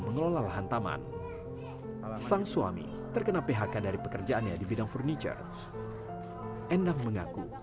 mengelola lahan taman sang suami terkena phk dari pekerjaannya di bidang furniture endang mengaku